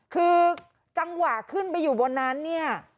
คือจังหวะขึ้นไปอยู่บนนั้นเนี่ย